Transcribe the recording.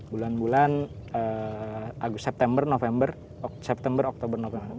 bulan bulan september november september oktober november